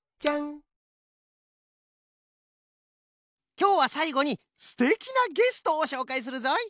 きょうはさいごにすてきなゲストをしょうかいするぞい。